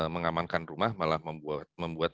mengamankan rumah malah membuat